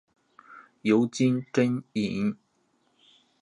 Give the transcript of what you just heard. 尤金真蚓。